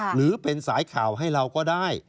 หรือเป็นสายข่าวให้เราก็ได้